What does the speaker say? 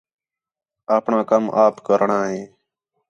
آپݨاں کَم آپ کرݨاں ہِے